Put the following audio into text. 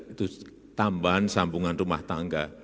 itu tambahan sambungan rumah tangga